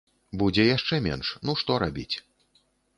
Будзе яшчэ менш, ну што рабіць.